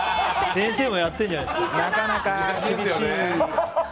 先生もやってるじゃないですか。